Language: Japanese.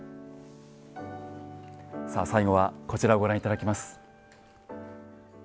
さあ最後はこちらをご覧いただきます。